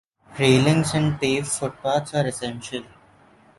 Railings and paved footpaths are essential.